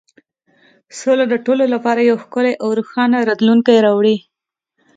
سوله د ټولو لپاره یو ښکلی او روښانه راتلونکی راوړي.